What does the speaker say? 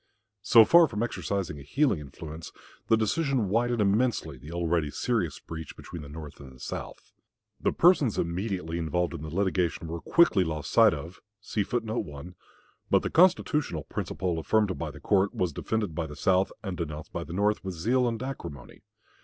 So far from exercising a healing influence, the decision widened immensely the already serious breach between the North and the South. The persons immediately involved in the litigation were quickly lost sight of; but the constitutional principle affirmed by the court was defended by the South and denounced by the North with zeal and acrimony.